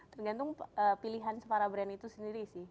tergantung pilihan para brand itu sendiri sih